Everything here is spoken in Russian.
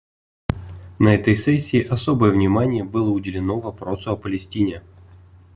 На этой сессии особое внимание было уделено вопросу о Палестине.